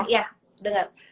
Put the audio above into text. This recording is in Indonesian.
ya ya denger